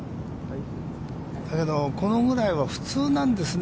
だけど、このぐらいは普通なんですね。